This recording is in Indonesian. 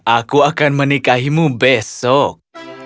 aku akan menikahimu besok